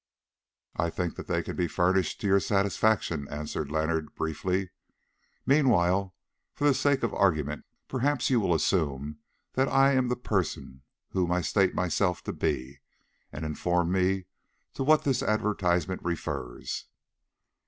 "I think that they can be furnished to your satisfaction," answered Leonard briefly. "Meanwhile, for the sake of argument, perhaps you will assume that I am the person whom I state myself to be, and inform me to what this advertisement refers."